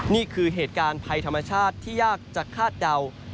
นี่คือเหตุการณ์ภัยธรรมชาติที่ยากจะคาดเดา